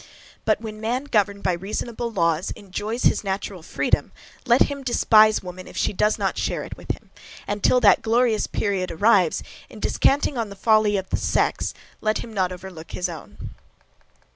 But, when man, governed by reasonable laws, enjoys his natural freedom, let him despise woman, if she do not share it with him; and, till that glorious period arrives, in descanting on the folly of the sex, let him not overlook his own.